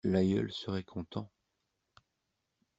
L'aïeul serait content.